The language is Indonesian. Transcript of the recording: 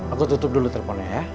aku tutup dulu teleponnya ya